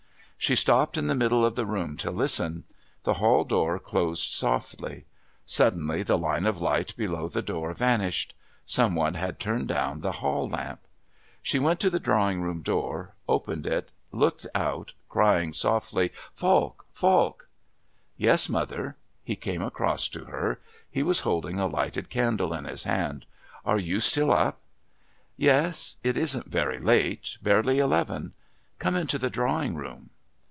She stopped in the middle of the room to listen. The hall door closed softly; suddenly the line of light below the door vanished. Some one had turned down the hall lamp. She went to the drawing room door, opened it, looked out, crying softly: "Falk! Falk!" "Yes, mother." He came across to her. He was holding a lighted candle in his hand. "Are you still up?" "Yes, it isn't very late. Barely eleven. Come into the drawing room."